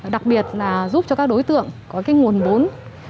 đặc biệt là giúp cho các đối tượng có nguồn bốn